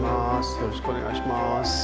よろしくお願いします。